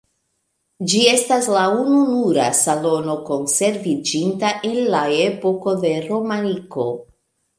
Ĝi estas la ununura salono konserviĝinta el la epoko de romaniko.